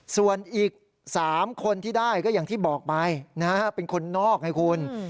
ส่วนอีก๓คนที่ได้ก็อย่างที่บอกไปเป็นคนนอกไงคุณ